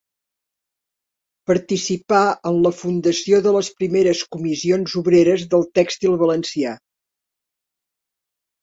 Participà en la fundació de les primeres Comissions Obreres del tèxtil valencià.